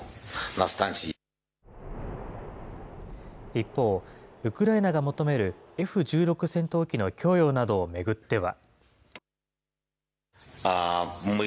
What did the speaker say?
一方、ウクライナが求めるＦ１６戦闘機の供与などを巡っては。